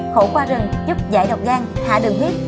khẩu qua rừng giúp giải độc gan hạ đường huyết